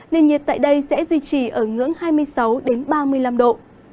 nền nhiệt tại đây sẽ duy trì ở ngưỡng hai mươi sáu ba mươi năm độ